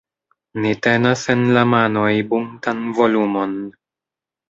Ni tenas en la manoj buntan volumon.